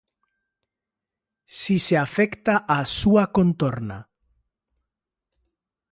Si se afecta a súa contorna.